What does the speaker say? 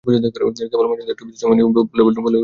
কেবল মাঝেমধ্যে একটু বেশি সময় নিয়ে বলের গতিপথটা বুঝে নিতে হয়।